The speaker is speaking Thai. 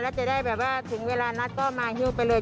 แล้วจะได้แบบว่าถึงเวลานัดก็มาฮิวไปเลย